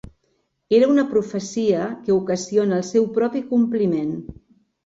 Era una profecia que ocasiona el seu propi compliment.